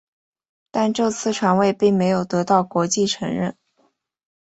但这次传位并没有得到国际承认。